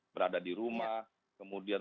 berada di rumah kemudian